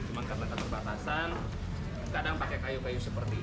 cuma karena terbatasan kadang pakai kayu kayu seperti ini